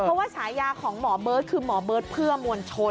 เพราะว่าฉายาของหมอเบิร์ตคือหมอเบิร์ตเพื่อมวลชน